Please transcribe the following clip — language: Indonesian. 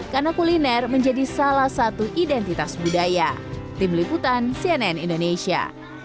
karena kuliner menjadi salah satu identitas budaya